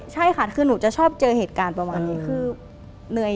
ใช่ค่ะคือหนูจะชอบเจอเหตุการณ์ประมาณนี้คือเหนื่อย